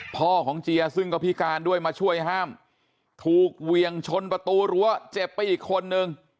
พ่อของเจียซึ่งก็พิการด้วยมาช่วยห้ามถูกเหวี่ยงชนประตูรั้วเจ็บไปอีกคนนึง